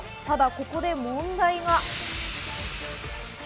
ただ、ここで問題が。